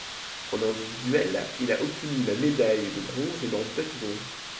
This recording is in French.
En individuel, il a obtenu la médaille de bronze lors du papillon.